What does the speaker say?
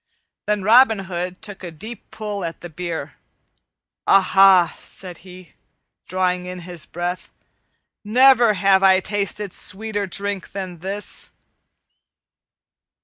Then Robin Hood took a deep pull at the beer. "Aha!" said he, drawing in his breath, "never have I tasted sweeter drink than this."